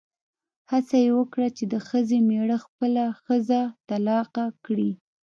هڅه یې وکړه چې د ښځې مېړه خپله ښځه طلاقه کړي.